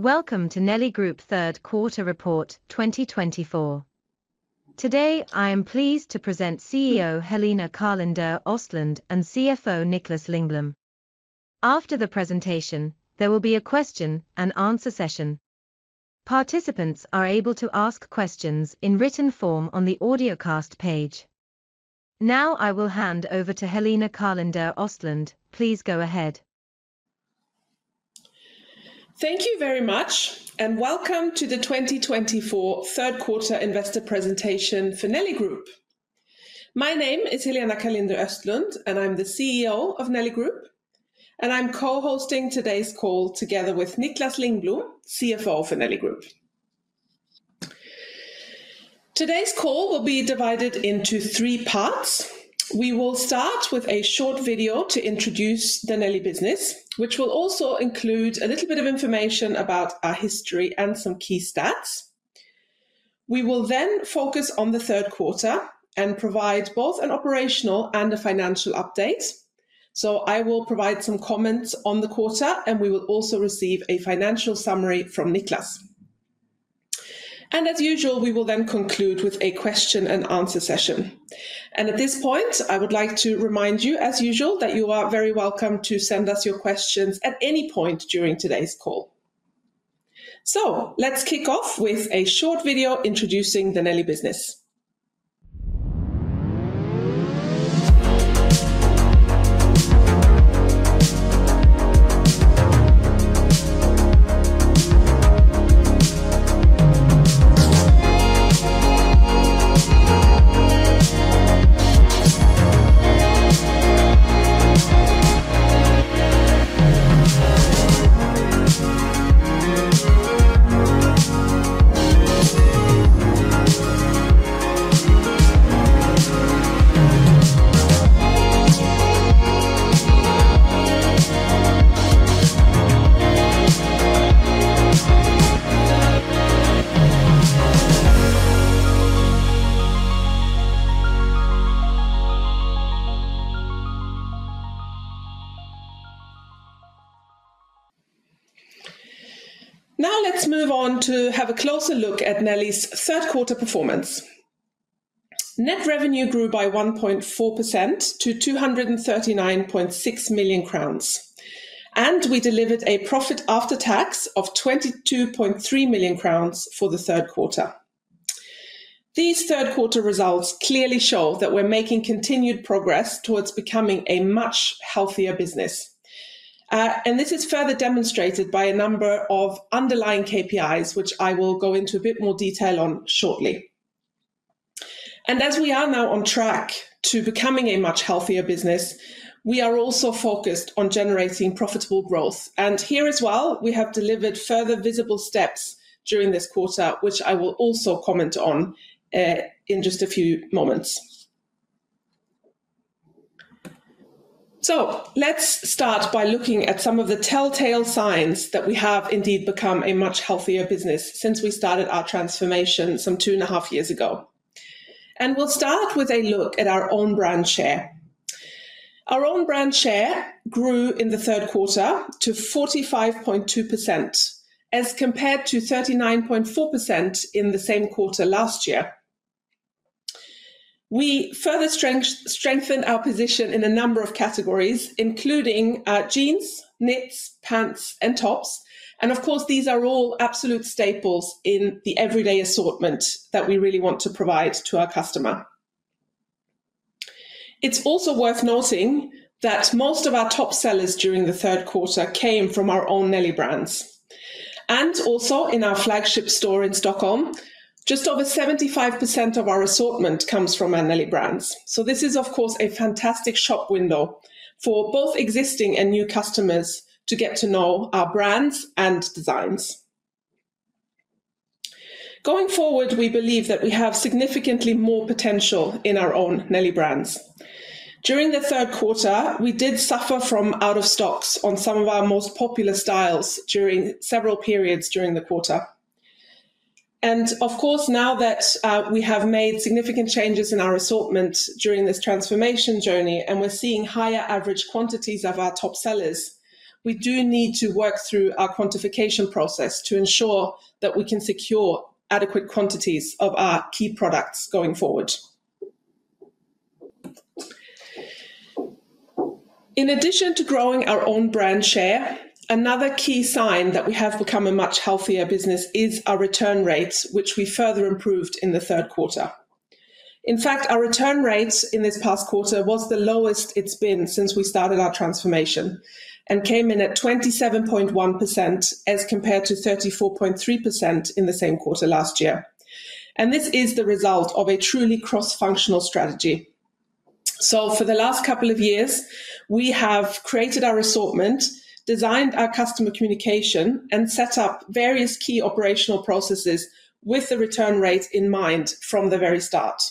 Welcome to Nelly Group Third Quarter Report 2024. Today, I am pleased to present CEO Helena Karlinder-Östlund and CFO Niklas Lindblom. After the presentation, there will be a question and answer session. Participants are able to ask questions in written form on the audiocast page. Now I will hand over to Helena Karlinder-Östlund. Please go ahead. Thank you very much, and welcome to the twenty twenty-four third quarter investor presentation for Nelly Group. My name is Helena Karlinder-Östlund, and I'm the CEO of Nelly Group, and I'm co-hosting today's call together with Niklas Lindblom, CFO for Nelly Group. Today's call will be divided into three parts. We will start with a short video to introduce the Nelly business, which will also include a little bit of information about our history and some key stats. We will then focus on the third quarter and provide both an operational and a financial update. So I will provide some comments on the quarter, and we will also receive a financial summary from Niklas, and as usual, we will then conclude with a question and answer session. At this point, I would like to remind you, as usual, that you are very welcome to send us your questions at any point during today's call. Let's kick off with a short video introducing the Nelly business. Now, let's move on to have a closer look at Nelly's third quarter performance. Net revenue grew by 1.4% to 239.6 million crowns, and we delivered a profit after tax of 22.3 million crowns for the third quarter. These third quarter results clearly show that we're making continued progress towards becoming a much healthier business. This is further demonstrated by a number of underlying KPIs, which I will go into a bit more detail on shortly. As we are now on track to becoming a much healthier business, we are also focused on generating profitable growth, and here as well, we have delivered further visible steps during this quarter, which I will also comment on in just a few moments. Let's start by looking at some of the telltale signs that we have indeed become a much healthier business since we started our transformation some two and a half years ago. We'll start with a look at our wn brand share. Our own brand share grew in the third quarter to 45.2%, as compared to 39.4% in the same quarter last year. We further strengthened our position in a number of categories, including jeans, knits, pants, and tops, and of course, these are all absolute staples in the everyday assortment that we really want to provide to our customer. It's also worth noting that most of our top sellers during the third quarter came from our own Nelly brands, and also in our flagship store in Stockholm, just over 75% of our assortment comes from our Nelly brands. So this is, of course, a fantastic shop window for both existing and new customers to get to know our brands and designs. Going forward, we believe that we have significantly more potential in our own Nelly brands. During the third quarter, we did suffer from out-of-stocks on some of our most popular styles during several periods during the quarter. Of course, now that we have made significant changes in our assortment during this transformation journey, and we're seeing higher average quantities of our top sellers, we do need to work through our quantification process to ensure that we can secure adequate quantities of our key products going forward. In addition to growing our own brand share, another key sign that we have become a much healthier business is our return rates, which we further improved in the third quarter. In fact, our return rates in this past quarter was the lowest it's been since we started our transformation and came in at 27.1%, as compared to 34.3% in the same quarter last year. And this is the result of a truly cross-functional strategy. So for the last couple of years, we have created our assortment, designed our customer communication, and set up various key operational processes with the return rate in mind from the very start.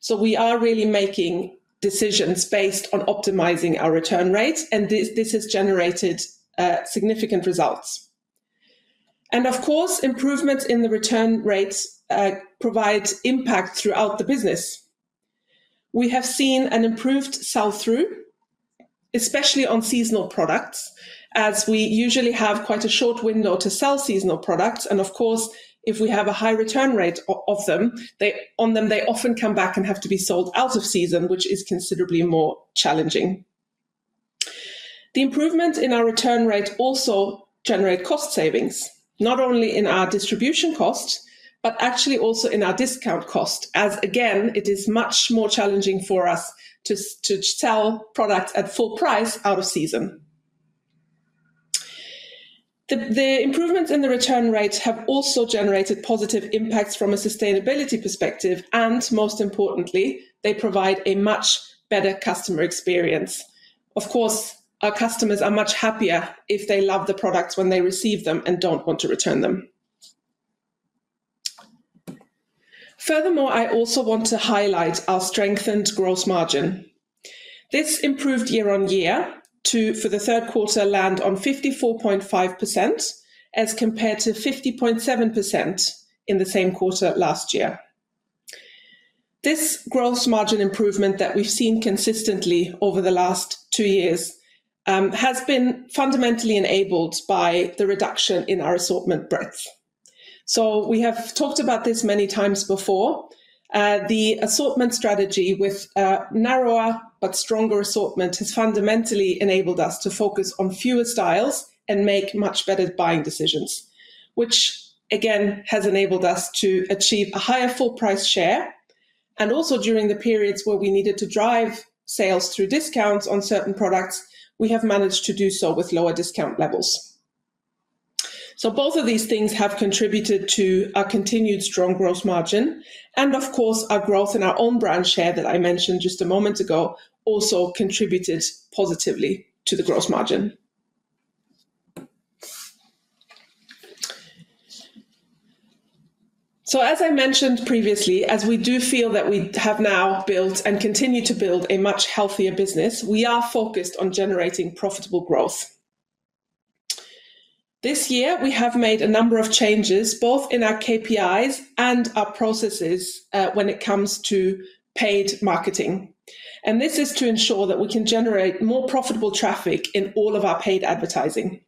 So we are really making decisions based on optimizing our return rates, and this has generated significant results. And of course, improvements in the return rates provides impact throughout the business. We have seen an improved sell-through, especially on seasonal products, as we usually have quite a short window to sell seasonal products. And of course, if we have a high return rate of them, they often come back and have to be sold out of season, which is considerably more challenging. The improvement in our return rate also generate cost savings, not only in our distribution costs, but actually also in our discount cost, as again, it is much more challenging for us to sell products at full price out of season. The improvements in the return rates have also generated positive impacts from a sustainability perspective, and most importantly, they provide a much better customer experience. Of course, our customers are much happier if they love the products when they receive them and don't want to return them. Furthermore, I also want to highlight our strengthened gross margin. This improved year on year to, for the third quarter, land on 54.5%, as compared to 50.7% in the same quarter last year. This gross margin improvement that we've seen consistently over the last two years has been fundamentally enabled by the reduction in our assortment breadth. So we have talked about this many times before. The assortment strategy with a narrower but stronger assortment has fundamentally enabled us to focus on fewer styles and make much better buying decisions, which again, has enabled us to achieve a higher full price share. And also, during the periods where we needed to drive sales through discounts on certain products, we have managed to do so with lower discount levels. So both of these things have contributed to our continued strong gross margin, and of course, our growth in our own brand share that I mentioned just a moment ago, also contributed positively to the gross margin. As I mentioned previously, as we do feel that we have now built and continue to build a much healthier business, we are focused on generating profitable growth. This year, we have made a number of changes, both in our KPIs and our processes, when it comes to paid marketing, and this is to ensure that we can generate more profitable traffic in all of our paid advertising.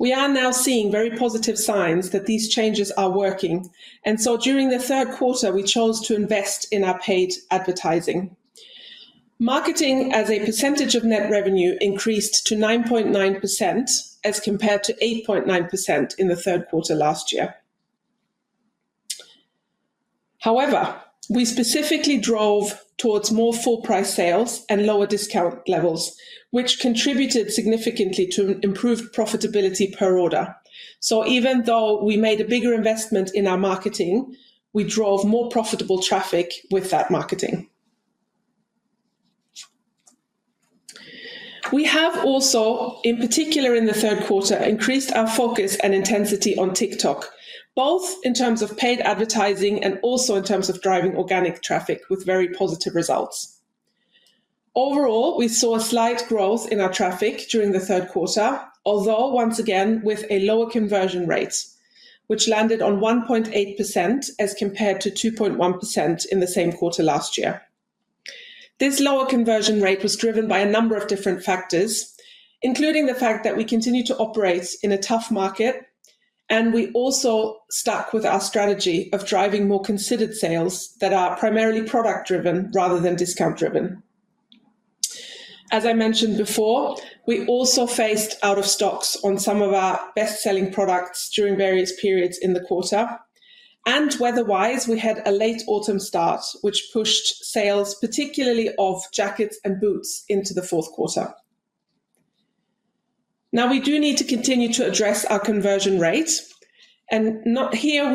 We are now seeing very positive signs that these changes are working, and so during the third quarter, we chose to invest in our paid advertising. Marketing as a % of net revenue increased to 9.9%, as compared to 8.9% in the third quarter last year. However, we specifically drove towards more full price sales and lower discount levels, which contributed significantly to improved profitability per order. So even though we made a bigger investment in our marketing, we drove more profitable traffic with that marketing. We have also, in particular in the third quarter, increased our focus and intensity on TikTok, both in terms of paid advertising and also in terms of driving organic traffic with very positive results. Overall, we saw a slight growth in our traffic during the third quarter, although once again, with a lower conversion rate, which landed on 1.8% as compared to 2.1% in the same quarter last year. This lower conversion rate was driven by a number of different factors, including the fact that we continue to operate in a tough market, and we also stuck with our strategy of driving more considered sales that are primarily product-driven rather than discount-driven. As I mentioned before, we also faced out of stocks on some of our best-selling products during various periods in the quarter, and weather-wise, we had a late autumn start, which pushed sales, particularly of jackets and boots, into the fourth quarter. Now, we do need to continue to address our conversion rate, and not least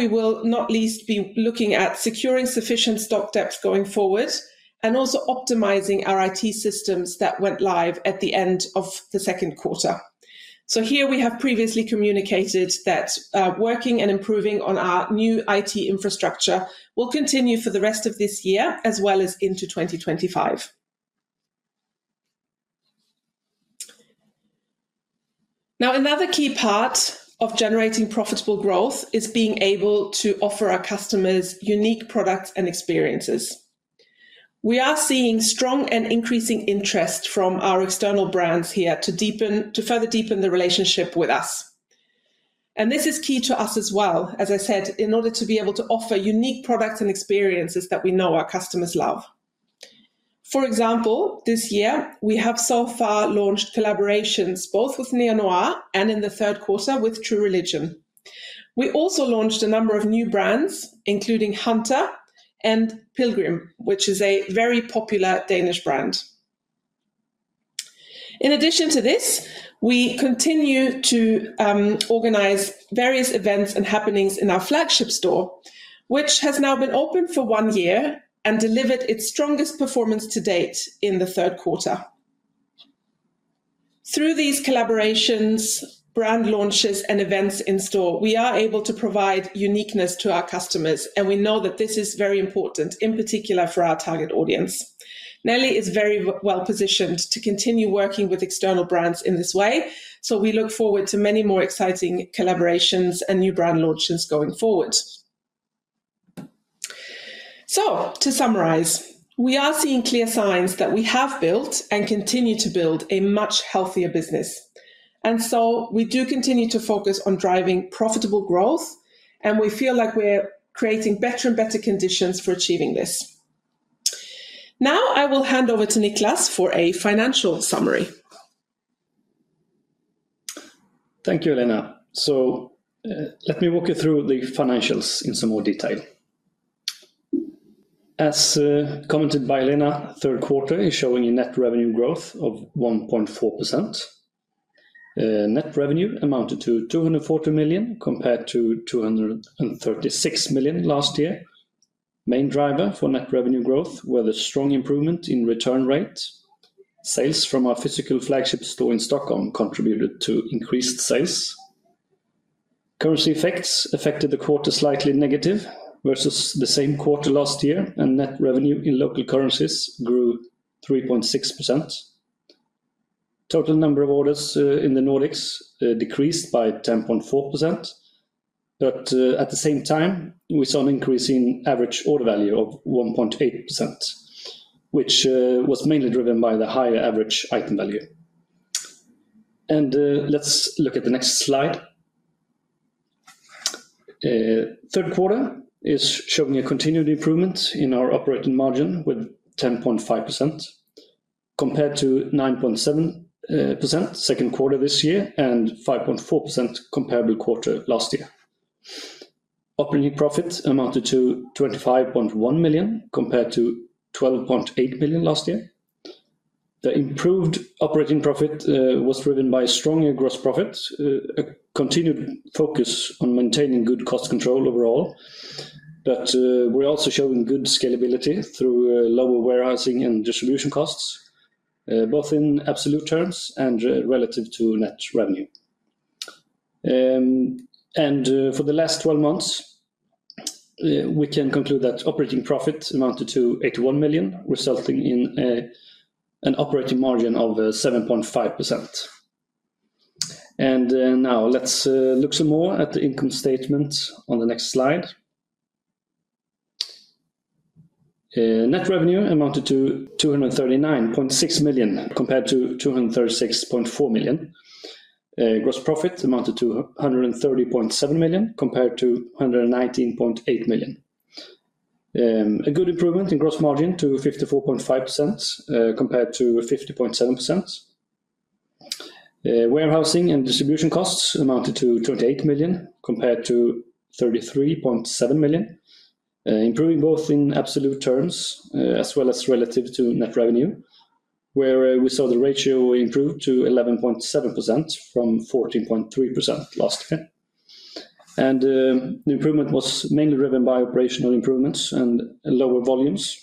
we will be looking at securing sufficient stock depth going forward and also optimizing our IT systems that went live at the end of the second quarter. So here we have previously communicated that, working and improving on our new IT infrastructure will continue for the rest of this year, as well as into 2025. Now, another key part of generating profitable growth is being able to offer our customers unique products and experiences. We are seeing strong and increasing interest from our external brands here to further deepen the relationship with us, and this is key to us as well, as I said, in order to be able to offer unique products and experiences that we know our customers love. For example, this year, we have so far launched collaborations both with Neo Noir and in the third quarter with True Religion. We also launched a number of new brands, including Hunter and Pilgrim, which is a very popular Danish brand. In addition to this, we continue to organize various events and happenings in our flagship store, which has now been open for one year and delivered its strongest performance to date in the third quarter. Through these collaborations, brand launches, and events in store, we are able to provide uniqueness to our customers, and we know that this is very important, in particular for our target audience... Nelly is very well positioned to continue working with external brands in this way, so we look forward to many more exciting collaborations and new brand launches going forward. So to summarize, we are seeing clear signs that we have built and continue to build a much healthier business. And so we do continue to focus on driving profitable growth, and we feel like we're creating better and better conditions for achieving this. Now, I will hand over to Niklas for a financial summary. Thank you, Helena. Let me walk you through the financials in some more detail. As commented by Helena, third quarter is showing a net revenue growth of 1.4%. Net revenue amounted to 240 million, compared to 236 million last year. Main driver for net revenue growth were the strong improvement in return rate. Sales from our physical flagship store in Stockholm contributed to increased sales. Currency effects affected the quarter slightly negative versus the same quarter last year, and net revenue in local currencies grew 3.6%. Total number of orders in the Nordics decreased by 10.4%. But at the same time, we saw an increase in average order value of 1.8%, which was mainly driven by the higher average item value. Let's look at the next slide. Third quarter is showing a continued improvement in our operating margin with 10.5%, compared to 9.7%, second quarter this year, and 5.4% comparable quarter last year. Operating profits amounted to 25.1 million, compared to 12.8 million last year. The improved operating profit was driven by stronger gross profits, a continued focus on maintaining good cost control overall. We're also showing good scalability through lower warehousing and distribution costs, both in absolute terms and relative to net revenue. For the last twelve months, we can conclude that operating profit amounted to 81 million, resulting in an operating margin of 7.5%. Now let's look some more at the income statement on the next slide. Net revenue amounted to 239.6 million, compared to 236.4 million. Gross profit amounted to 130.7 million, compared to 119.8 million. A good improvement in gross margin to 54.5%, compared to 50.7%. Warehousing and distribution costs amounted to 28 million, compared to 33.7 million, improving both in absolute terms, as well as relative to net revenue, where we saw the ratio improve to 11.7% from 14.3% last year. The improvement was mainly driven by operational improvements and lower volumes,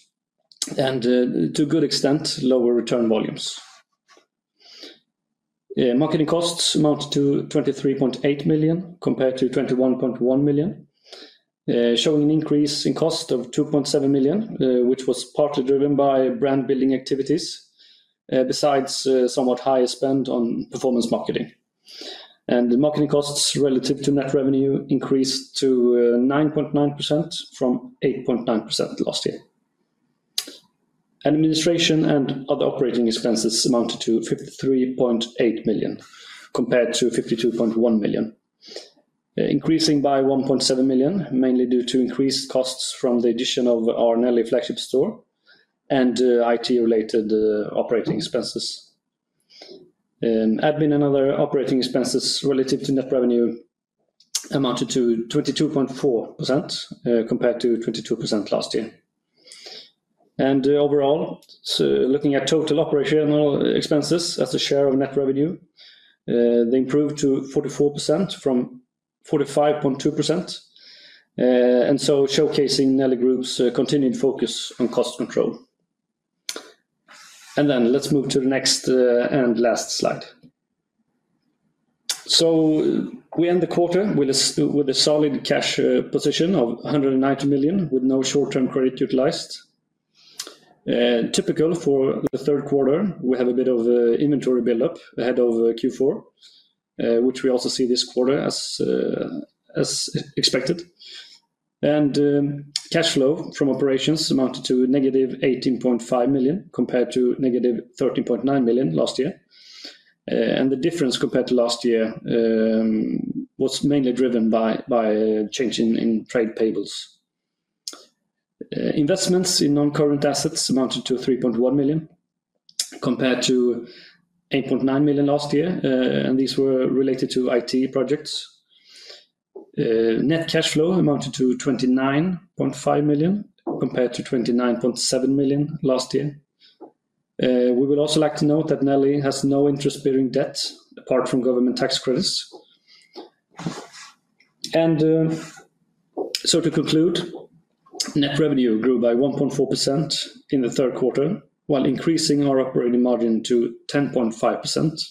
and to a good extent, lower return volumes. Marketing costs amounted to 23.8 million, compared to 21.1 million, showing an increase in cost of 2.7 million, which was partly driven by brand-building activities, besides somewhat higher spend on performance marketing. The marketing costs relative to net revenue increased to 9.9% from 8.9% last year. Administration and other operating expenses amounted to 53.8 million, compared to 52.1 million. Increasing by 1.7 million, mainly due to increased costs from the addition of our Nelly flagship store and IT-related operating expenses. Admin and other operating expenses relative to net revenue amounted to 22.4%, compared to 22% last year. Overall, so looking at total operational expenses as a share of net revenue, they improved to 44% from 45.2%, and so showcasing Nelly Group's continued focus on cost control. Then let's move to the next and last slide. We end the quarter with a solid cash position of 190 million, with no short-term credit utilized. Typical for the third quarter, we have a bit of a inventory buildup ahead of Q4, which we also see this quarter as expected. Cash flow from operations amounted to -18.5 million, compared to -13.9 million last year. The difference compared to last year was mainly driven by change in trade payables. Investments in non-current assets amounted to 3.1 million, compared to 8.9 million last year, and these were related to IT projects. Net cash flow amounted to 29.5 million, compared to 29.7 million last year. We would also like to note that Nelly has no interest-bearing debt apart from government tax credits, and so to conclude, net revenue grew by 1.4% in the third quarter, while increasing our operating margin to 10.5%,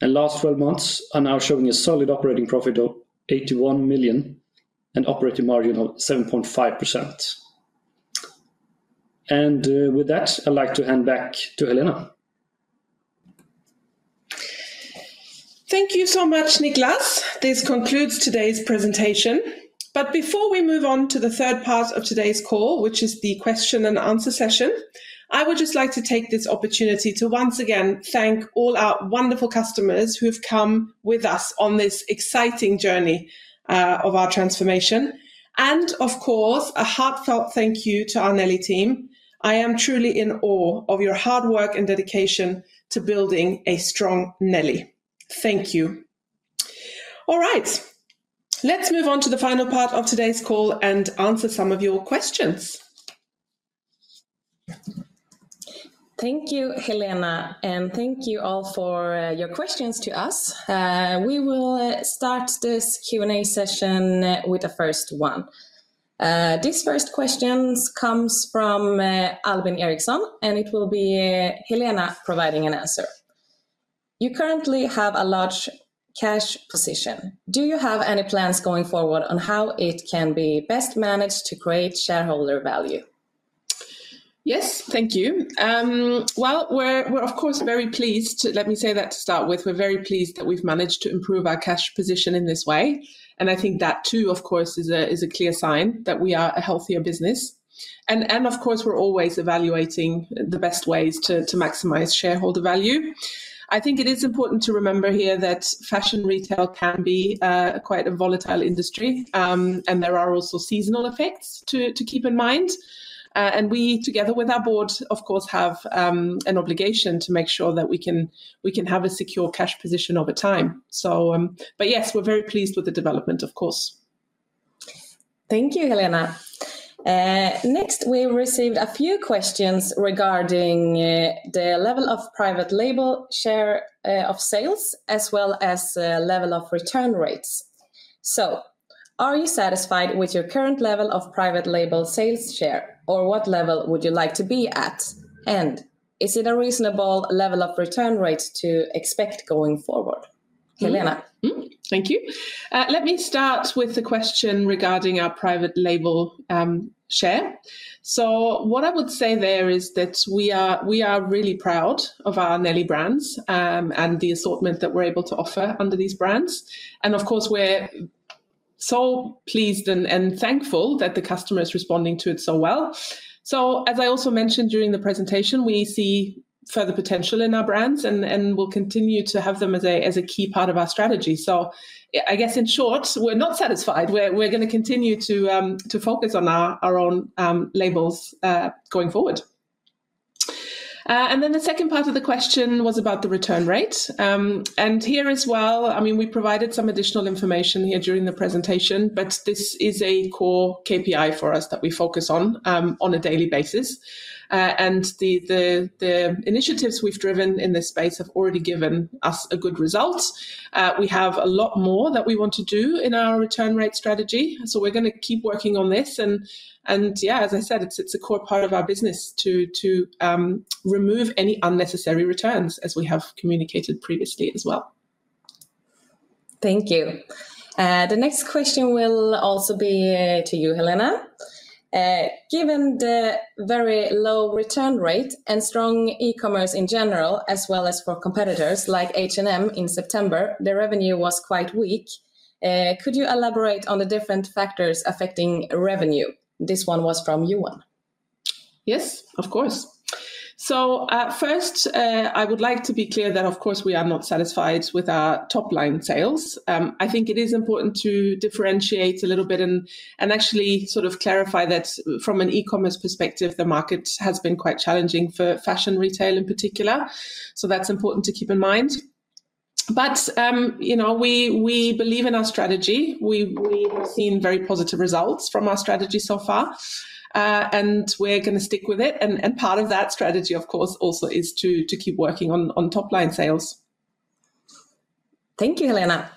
and last 12 months are now showing a solid operating profit of 81 million and operating margin of 7.5%, and with that, I'd like to hand back to Helena. Thank you so much, Niklas. This concludes today's presentation. But before we move on to the third part of today's call, which is the question and answer session, I would just like to take this opportunity to once again thank all our wonderful customers who have come with us on this exciting journey of our transformation, and of course, a heartfelt thank you to our Nelly team. I am truly in awe of your hard work and dedication to building a strong Nelly. Thank you. All right, let's move on to the final part of today's call and answer some of your questions. Thank you, Helena, and thank you all for your questions to us. We will start this Q&A session with the first one. This first question comes from Alvin Ericsson, and it will be Helena providing an answer. You currently have a large cash position. Do you have any plans going forward on how it can be best managed to create shareholder value? Yes, thank you. Well, we're of course very pleased. Let me say that to start with. We're very pleased that we've managed to improve our cash position in this way, and I think that too, of course, is a clear sign that we are a healthier business, and of course, we're always evaluating the best ways to maximize shareholder value. I think it is important to remember here that fashion retail can be quite a volatile industry, and there are also seasonal effects to keep in mind, and we, together with our board, of course, have an obligation to make sure that we can have a secure cash position over time, but yes, we're very pleased with the development, of course. Thank you, Helena. Next, we received a few questions regarding the level of private label share of sales, as well as level of return rates. So are you satisfied with your current level of private label sales share, or what level would you like to be at? And is it a reasonable level of return rate to expect going forward? Helena. Thank you. Let me start with the question regarding our private label share. So what I would say there is that we are really proud of our Nelly brands, and the assortment that we're able to offer under these brands. And of course, we're so pleased and thankful that the customer is responding to it so well. So as I also mentioned during the presentation, we see further potential in our brands and we'll continue to have them as a key part of our strategy. So I guess, in short, we're not satisfied. We're gonna continue to focus on our own labels going forward. And then the second part of the question was about the return rate. And here as well, I mean, we provided some additional information here during the presentation, but this is a core KPI for us that we focus on, on a daily basis. And the initiatives we've driven in this space have already given us a good result. We have a lot more that we want to do in our return rate strategy, so we're gonna keep working on this and yeah, as I said, it's a core part of our business to remove any unnecessary returns, as we have communicated previously as well. Thank you. The next question will also be to you, Helena. Given the very low return rate and strong e-commerce in general, as well as for competitors like H&M in September, the revenue was quite weak. Could you elaborate on the different factors affecting revenue? This one was from Yuan. Yes, of course. So, first, I would like to be clear that, of course, we are not satisfied with our top-line sales. I think it is important to differentiate a little bit and actually sort of clarify that from an e-commerce perspective, the market has been quite challenging for fashion retail in particular, so that's important to keep in mind. But, you know, we believe in our strategy. We have seen very positive results from our strategy so far, and we're gonna stick with it. And, part of that strategy, of course, also is to keep working on top-line sales. Thank you, Helena.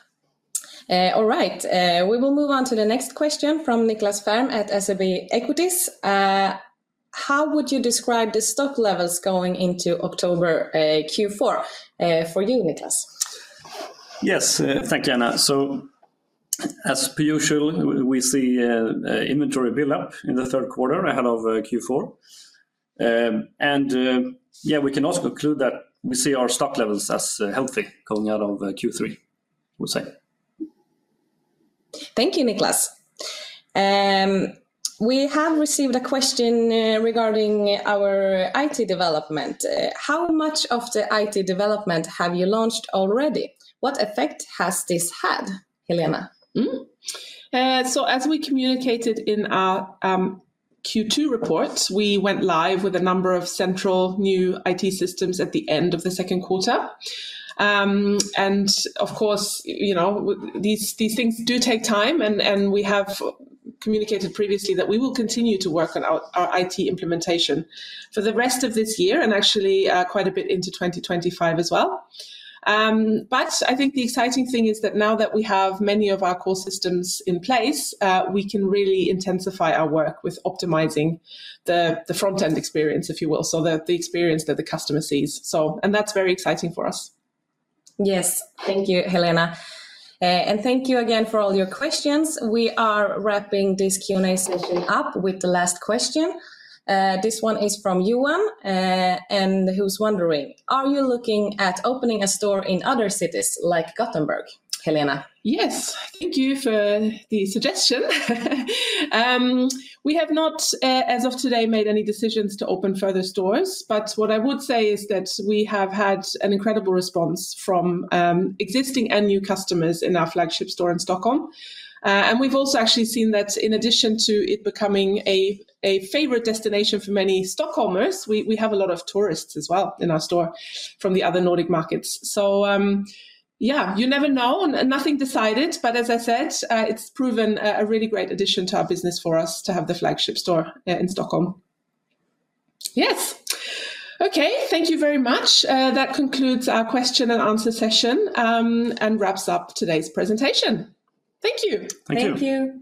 All right. We will move on to the next question from Niklas Färm at SEB Equities. How would you describe the stock levels going into October, Q4? For you, Niklas. Yes, thank you, Anna. So as per usual, we see inventory build-up in the third quarter ahead of Q4. And yeah, we can also conclude that we see our stock levels as healthy going out of Q3, I would say. Thank you, Niklas. We have received a question regarding our IT development. How much of the IT development have you launched already? What effect has this had, Helena? So as we communicated in our Q2 report, we went live with a number of central new IT systems at the end of the second quarter, and of course, you know, these things do take time, and we have communicated previously that we will continue to work on our IT implementation for the rest of this year, and actually quite a bit into 2025 as well, but I think the exciting thing is that now that we have many of our core systems in place, we can really intensify our work with optimizing the front-end experience, if you will, so that the experience that the customer sees, and that's very exciting for us. Yes. Thank you, Helena. And thank you again for all your questions. We are wrapping this Q&A session up with the last question. This one is from Yuan, and who's wondering: Are you looking at opening a store in other cities like Gothenburg, Helena? Yes, thank you for the suggestion. We have not, as of today, made any decisions to open further stores, but what I would say is that we have had an incredible response from existing and new customers in our flagship store in Stockholm, and we've also actually seen that in addition to it becoming a favorite destination for many Stockholmers, we have a lot of tourists as well in our store from the other Nordic markets, so yeah, you never know, and nothing decided, but as I said, it's proven a really great addition to our business for us to have the flagship store in Stockholm. Yes. Okay, thank you very much. That concludes our question and answer session, and wraps up today's presentation. Thank you. Thank you. Thank you.